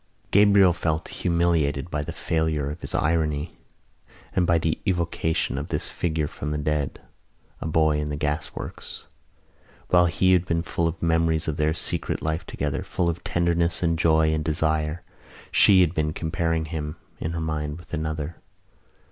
Gabriel felt humiliated by the failure of his irony and by the evocation of this figure from the dead, a boy in the gasworks. While he had been full of memories of their secret life together, full of tenderness and joy and desire, she had been comparing him in her mind with another.